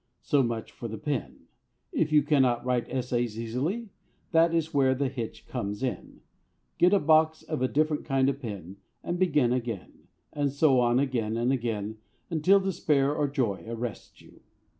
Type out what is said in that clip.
So much for the pen. If you cannot write essays easily, that is where the hitch comes in. Get a box of a different kind of pen and begin again, and so on again and again until despair or joy arrests you.